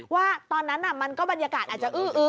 ว่าตอนนั้นมันก็บรรยากาศอาจจะอื้อ